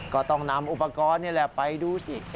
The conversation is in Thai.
ก็ต้องนำอุปกรณ์นี่แหละไปดูสิ